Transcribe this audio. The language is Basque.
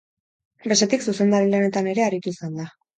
Bestetik, zuzendari lanetan ere aritu izan da.